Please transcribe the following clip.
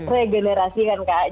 regenerasi kan kak